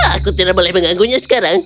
aku tidak boleh mengganggunya sekarang